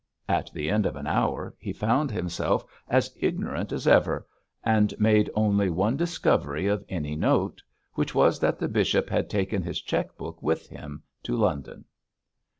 At the end of an hour he found himself as ignorant as ever, and made only one discovery of any note, which was that the bishop had taken his cheque book with him to London.